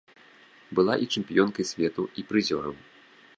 Была і чэмпіёнкай свету, і прызёрам.